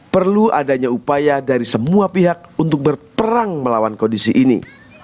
perlu adanya upaya dari semua pihak untuk berperang melawan kondisi ini